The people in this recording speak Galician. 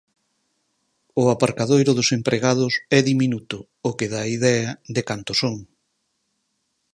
O aparcadoiro dos empregados é diminuto, o que dá idea de cantos son.